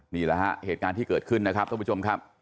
นี่แหละฮะเหตุการณ์ที่เกิดขึ้นนะครับท่านผู้ชมครับ